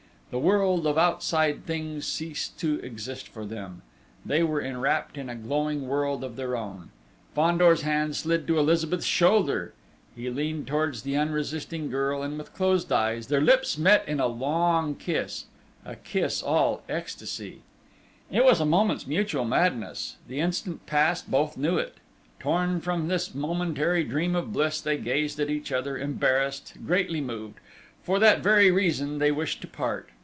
The world of outside things ceased to exist for them.... They were enwrapt in a glowing world of their own!... Fandor's hand slid to Elizabeth's shoulder; he leaned towards the unresisting girl, and with closed eyes, their lips met in a long kiss a kiss all ecstasy.... It was a moment's mutual madness!... The instant past, both knew it. Torn from this momentary dream of bliss, they gazed at each other, embarrassed, greatly moved: for that very reason they wished to part.